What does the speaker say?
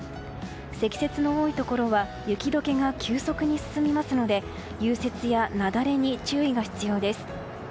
積雪の多いところは雪解けが急速に進みますので融雪や雪崩に注意が必要です。